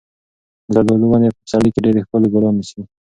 د زردالو ونې په پسرلي کې ډېر ښکلي ګلان نیسي.